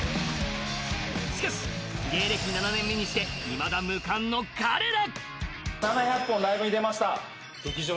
しかし、芸歴７年目にしていまだ無冠の彼ら。